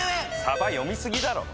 さば読みすぎだろ！